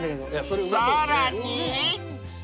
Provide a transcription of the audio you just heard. ［さらに］